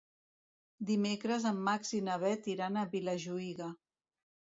Dimecres en Max i na Bet iran a Vilajuïga.